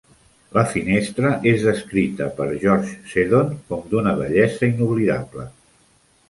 La finestra és descrita per George Seddon com d'una "bellesa inoblidable".